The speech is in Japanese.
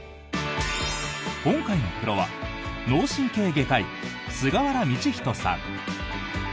今回のプロは脳神経外科医、菅原道仁さん。